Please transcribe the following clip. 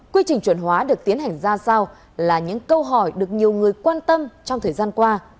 quy trình chuẩn hóa được tiến hành ra sao là những câu hỏi được nhiều người quan tâm trong thời gian qua